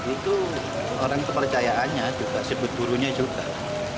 itu orang kepercayaannya juga sebut gurunya juga